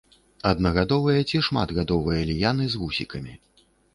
Аднагадовыя ці шматгадовыя ліяны з вусікамі.